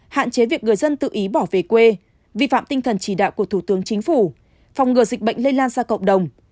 hạn chế việc người dân tự ý bỏ về quê vi phạm tinh thần chỉ đạo của thủ tướng chính phủ phòng ngừa dịch bệnh lây lan ra cộng đồng